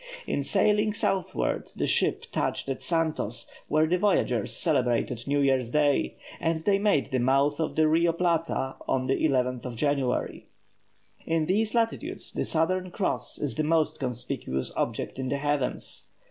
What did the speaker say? In sailing southward, the ship touched at Santos, where the voyagers celebrated New Year's Day, and they made the mouth of the Rio Plata on the 11th of January. In these latitudes the Southern Cross is the most conspicuous object in the heavens.